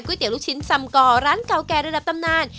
เตี๋ยลูกชิ้นซำก่อร้านเก่าแก่ระดับตำนาน